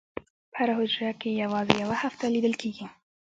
په هره حجره کې یوازې یوه هسته لیدل کېږي.